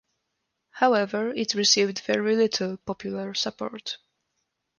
However, it received very little popular support.